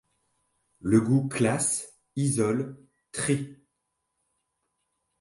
Le goût classe, isole, trie, .